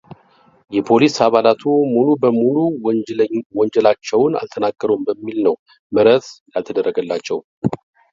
የፖሊስ አባላቱ ሙሉ በሙሉ ወንጀላቸውን አልተናገሩም በሚል ነው ምህረት ያልተደረገላቸው።